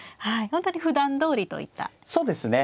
本当にふだんどおりといった印象でしたね。